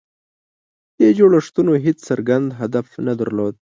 دې جوړښتونو هېڅ څرګند هدف نه درلود.